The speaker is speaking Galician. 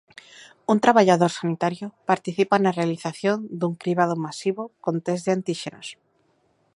Un traballador sanitario participa na realización dun cribado masivo con tests de antíxenos.